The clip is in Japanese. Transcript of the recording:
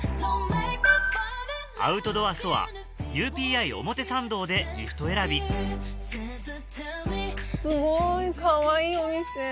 アウトドアストアＵＰＩ表参道でギフト選びすごいかわいいお店。